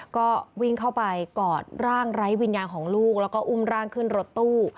ก็วิ่งเข้าไปกอดร่างไร้วิญญาณของลูกแล้วก็อุ้มร่างขึ้นรถตู้